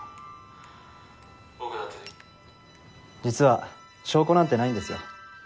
実は証拠なんてないんですよ。